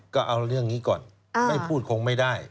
ก็เอาเรื่องนี้ก่อนไม่พูดคงไม่ได้